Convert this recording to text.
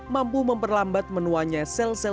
mampu memperlambat menuannya sel sel tersebut